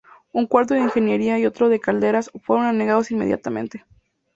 Un cuarto de ingeniería y otro de calderas fueron anegados inmediatamente.